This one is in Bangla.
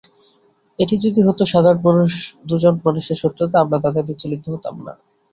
এটি যদি হতো সাধারণ দুজন মানুষের শত্রুতা, আমরা তাতে বিচলিত হতাম না।